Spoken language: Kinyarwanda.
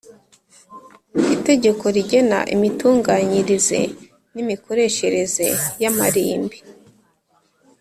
Itegeko rigena imitunganyirize n imikoreshereze y amarimbi